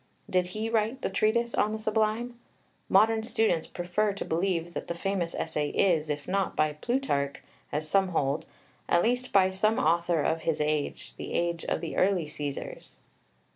Did he write the Treatise on the Sublime? Modern students prefer to believe that the famous essay is, if not by Plutarch, as some hold, at least by some author of his age, the age of the early Caesars.